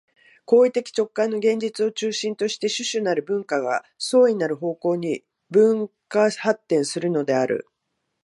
行為的直観の現実を中心として種々なる文化が相異なる方向に分化発展するのである。